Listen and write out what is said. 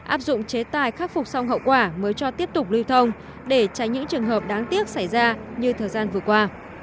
áp dụng chế tài khắc phục xong hậu quả mới cho tiếp tục lưu thông để tránh những trường hợp đáng tiếc xảy ra như thời gian vừa qua